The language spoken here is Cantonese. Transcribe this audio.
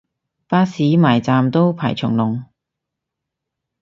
巴士埋站都排長龍